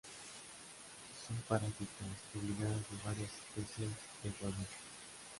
Son parásitas obligadas de varias especies de "Formica".